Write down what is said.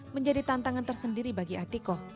menjadi tantangan tersendiri bagi atikoh